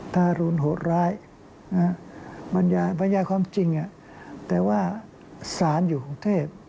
ตารุณโหดร้ายบรรยาความจริงแต่ว่าศาลอยู่ของเทพ